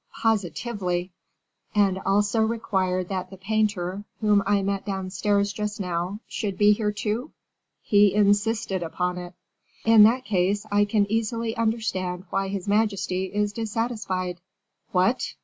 "Positively." "And also required that the painter, whom I met downstairs just now, should be here, too?" "He insisted upon it." "In that case, I can easily understand why his majesty is dissatisfied." "What!